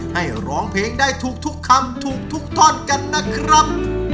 ให้ร้องเพลงได้ถูกทุกคำถูกทุกท่อนกันนะครับ